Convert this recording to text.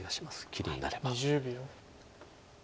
切りになれば。